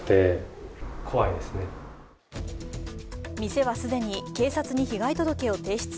店は既に警察に被害届を提出。